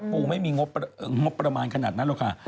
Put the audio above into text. ปูไม่มีงบประมาณขนาดนั้นหรอกค่ะ